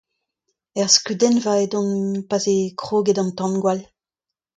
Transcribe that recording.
Er skeudennva edon pa'z eo kroget an tangwall.